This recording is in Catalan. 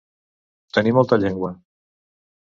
Tenir molta llengua.